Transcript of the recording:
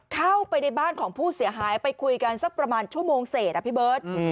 เข้าไปในบ้านของผู้เสียหายไปคุยกันสักประมาณชั่วโมงเศษอะพี่เบิร์ต